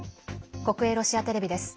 国営ロシアテレビです。